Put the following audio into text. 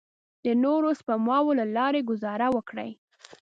د نورو سپماوو له لارې ګوزاره وکړئ.